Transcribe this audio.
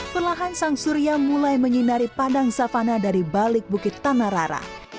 perlahan sang surya mulai menyinari padang savana dari balik bukit tanarara